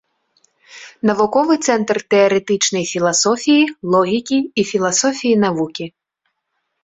Навуковы цэнтр тэарэтычнай філасофіі, логікі і філасофіі навукі.